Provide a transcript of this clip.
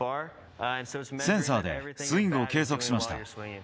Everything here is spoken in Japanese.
センサーでスイングを計測しまし